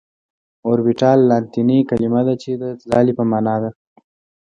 اوربيتال لاتيني کليمه ده چي د ځالي په معنا ده .